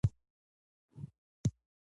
تعلیم د نوښت علم او تجربې پراخوي.